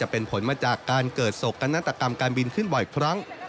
เป็นผลมาจากการเกิดโศกนาฏกรรมการบินขึ้นบ่อยครั้ง